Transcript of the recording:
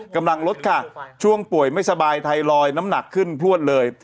กำลังลดค่ะช่วงป่วยไม่สบายไทรอยด์น้ำหนักขึ้นพลวดเลย